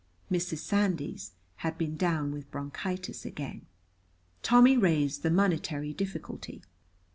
Mrs. Sandys had been down with bronchitis again. Tommy raised the monetary difficulty.